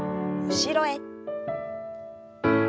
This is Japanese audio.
後ろへ。